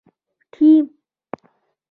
ټیم